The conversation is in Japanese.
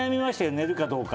寝るかどうか。